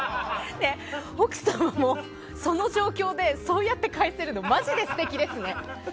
奥さんもその状況でそうやって返せるのマジで素敵ですね。